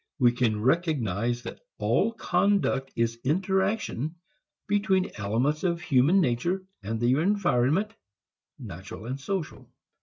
We can recognize that all conduct is interaction between elements of human nature and the environment, natural and social.